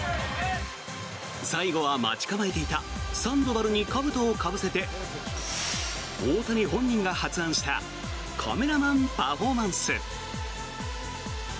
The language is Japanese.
最後は、待ち構えていたサンドバルにかぶとをかぶせて大谷本人が発案したカメラマンパフォーマンス。